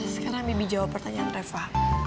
sekarang bibi jawab pertanyaan reva